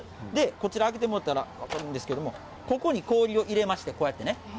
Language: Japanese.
こちら、開けてもろたら分かるんですけれども、ここに氷を入れまして、こうやってね。